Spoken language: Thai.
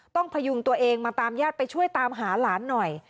พยุงตัวเองมาตามญาติไปช่วยตามหาหลานหน่อย